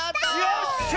よっしゃ！